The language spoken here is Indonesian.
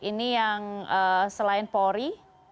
ini yang selain polri